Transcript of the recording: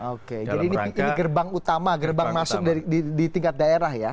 oke jadi ini gerbang utama gerbang masuk di tingkat daerah ya